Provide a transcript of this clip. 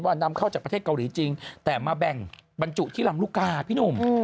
นำเข้าจากประเทศเกาหลีจริงแต่มาแบ่งบรรจุที่ลำลูกกาพี่หนุ่ม